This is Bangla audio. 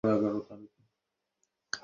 হ্যাঁ, সেটা তো ঠিক।